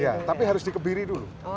iya tapi harus dikebiri dulu